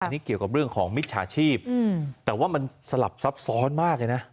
อันนี้เกี่ยวกับเรื่องของมิจฉาชีพแต่ว่ามันสลับซับซ้อนมากเลยนะ